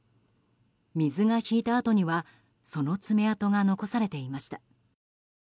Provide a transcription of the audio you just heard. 水が引いたあとにはその爪痕が残されていました。